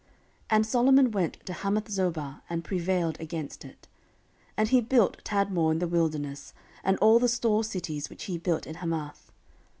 14:008:003 And Solomon went to Hamathzobah, and prevailed against it. 14:008:004 And he built Tadmor in the wilderness, and all the store cities, which he built in Hamath.